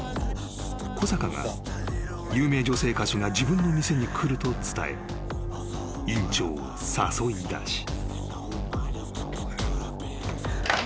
［小坂が有名女性歌手が自分の店に来ると伝え院長を誘い出し］